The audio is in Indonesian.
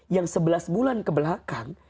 yang sebelas bulan kebelakang